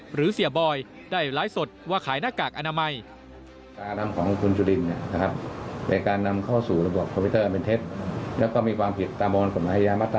หรือเสียบอยได้ไลฟ์สดว่าขายหน้ากากอนามัย